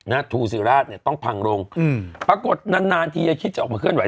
ทูศิราชเนี่ยต้องพังลงอืมปรากฏนานนานทียายคิดจะออกมาเคลื่อ